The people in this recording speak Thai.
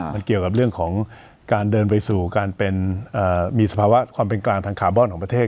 มันเกี่ยวกับเรื่องของการเดินไปสู่การเป็นมีสภาวะความเป็นกลางทางคาร์บอนของประเทศ